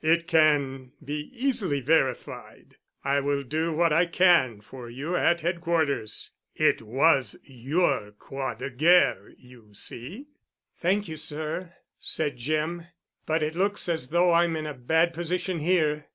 It can be easily verified. I will do what I can for you at Headquarters. It was your Croix de Guerre, you see." "Thank you, sir," said Jim, "but it looks as though I'm in a bad position here.